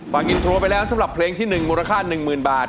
ฟังอินโทรไปแล้วสำหรับเพลงที่๑มูลค่า๑๐๐๐บาท